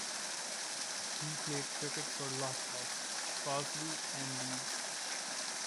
He played cricket for Lofthouse, Farsley and Leeds.